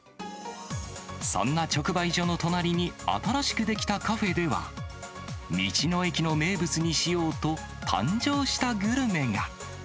そんな直売所の隣に新しく出来たカフェでは、道の駅の名物にしようと、誕生したグルメが。